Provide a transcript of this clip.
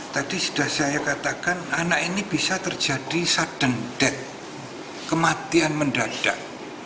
tadi sudah saya katakan anak ini bisa terjadi sudden death kematian mendadak